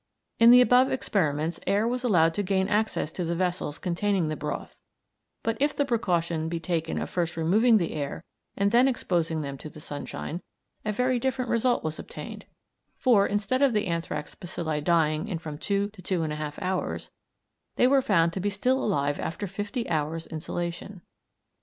In the above experiments air was allowed to gain access to the vessels containing the broth, but if the precaution be taken of first removing the air and then exposing them to the sunshine, a very different result was obtained, for instead of the anthrax bacilli dying in from two to two and a half hours, they were found to be still alive after fifty hours' insolation.